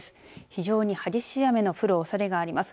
非常に激しい雨の降るおそれがあります。